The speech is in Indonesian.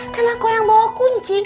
kan aku yang bawa kunci